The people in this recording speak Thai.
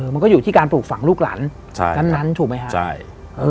มันก็อยู่ที่การปลูกฝังลูกหลานใช่นั้นถูกไหมฮะใช่เออ